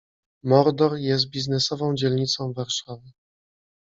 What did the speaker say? Mordor jest biznesową dzielnicą Warszawy.